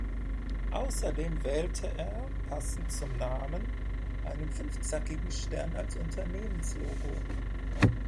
Ausserdem wählte er, passend zum Namen, einen fünfzackigen Stern als Unternehmenslogo.